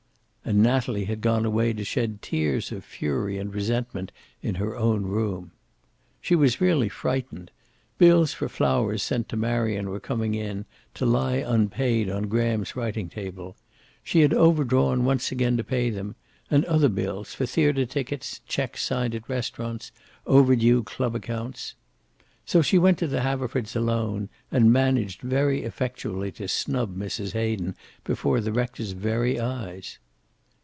And Natalie had gone away to shed tears of fury and resentment in her own room. She was really frightened. Bills for flowers sent to Marion were coming in, to lie unpaid on Graham's writing table. She had over drawn once again to pay them, and other bills, for theater tickets, checks signed at restaurants, over due club accounts. So she went to the Haverfords alone, and managed very effectually to snub Mrs. Hayden before the rector's very eyes.